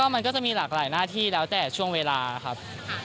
มันก็จะมีหลากหลายหน้าที่แล้วแต่ช่วงเวลาครับ